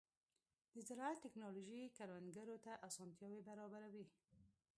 د زراعت ټیکنالوژي کروندګرو ته اسانتیاوې برابروي.